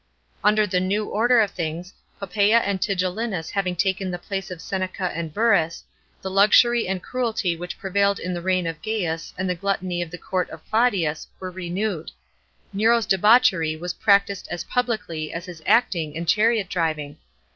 § 11. Under the new order of things, Poppsea and 'ligellinus having taken the place of Seneca an«i Bnrrus, the luxury and cruelty wh ch prevailed in the reign of Gaius, and the glutt"ny of the court of i laudius, were renewed. Ne/o's debauchery was practised as publicly as his acting and chariot driving.